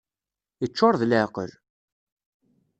Iččur d leεqel!